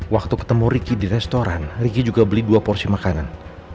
waktu ketemu ricky di restoran riki juga beli dua porsi makanan